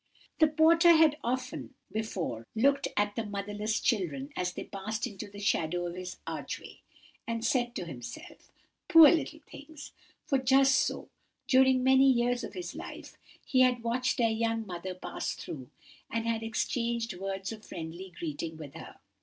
"The porter had often before looked at the motherless children as they passed into the shadow of his archway, and said to himself, 'Poor little things;' for just so, during many years of his life, he had watched their young mother pass through, and had exchanged words of friendly greeting with her.